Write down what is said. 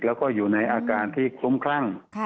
แล้วก็อยู่ในอาการที่คลุ้มคลั่ง